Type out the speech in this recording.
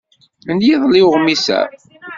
N yiḍelli uɣmis-a.